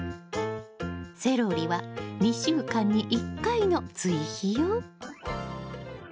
セロリは２週間に１回の追肥よ。